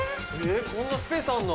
こんなスペースあんの？